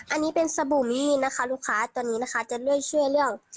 อันนี้เป็นสบูมี่นะคะลูกค้าตัวนี้นะคะจะเลือกช่วยเรื่อง